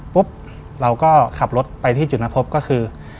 ปุ๊บเราก็ขับรถไปที่จุดนัดพบก็คือ